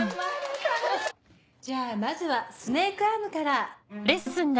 じゃあまずはスネークアームから。